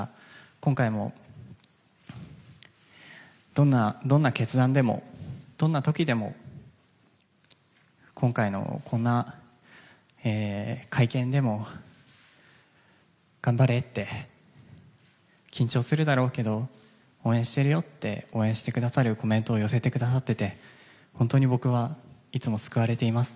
今回も、どんな決断でもどんな時でも今回のこんな会見でも頑張れって緊張するだろうけど応援してるよって応援してくださるコメントを寄せてくださっていて本当に僕はいつも救われています。